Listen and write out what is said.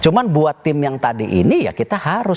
cuma buat tim yang tadi ini ya kita harus